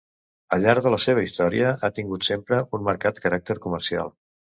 Al llarg de la seva història ha tingut sempre un marcat caràcter comercial.